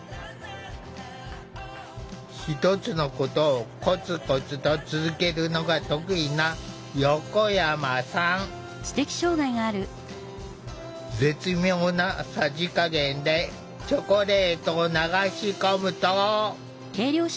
１つのことをコツコツと続けるのが得意な絶妙なさじ加減でチョコレートを流し込むと。